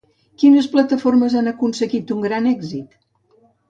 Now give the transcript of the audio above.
Quines plataformes han aconseguit un gran èxit?